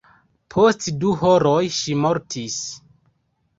Post du horoj ŝi mortis.